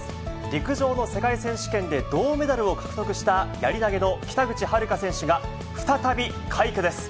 陸上の世界選手権で銅メダルを獲得した、やり投げの北口榛花選手が、再び快挙です。